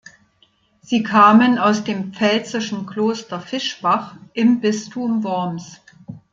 Sie kamen aus dem pfälzischen Kloster Fischbach im Bistum Worms.